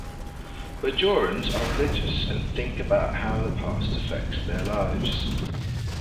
Bajorans are religious and think about how the past affects their lives.